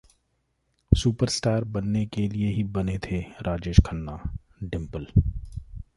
superstar बनने के लिए ही बने थे राजेश खन्ना: डिम्पल